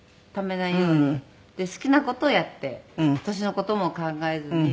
で好きな事をやって年の事も考えずに。